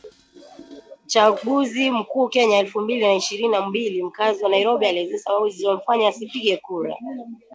Uchaguzi Mkuu Kenya elfu mbili na ishirini na mbili Mkazi wa Nairobi aeleza sababu zilizomfanya asipige kura